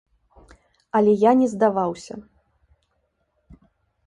Але я не здаваўся.